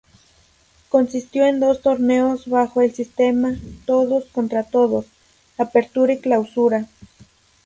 Consistió en dos torneos bajo el sistema todos contra todos: Apertura y Clausura.